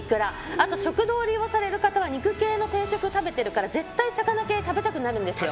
あと食堂に行かれる方は肉系の定食を食べてるから絶対、魚系が食べたくなるんです。